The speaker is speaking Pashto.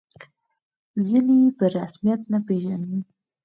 ځینې یې په رسمیت نه پېژني.